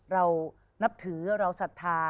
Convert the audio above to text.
เรานับถือเราศรัทธา